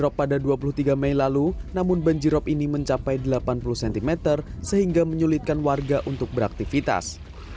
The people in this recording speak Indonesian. rop pada dua puluh tiga mei lalu namun banjirop ini mencapai delapan puluh cm sehingga menyulitkan warga untuk beraktivitas